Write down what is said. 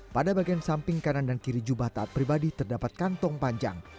pada bagian samping kanan dan kiri jubah taat pribadi terdapat kantong panjang